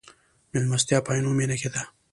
مېلمستیا په عینومېنه کې ده.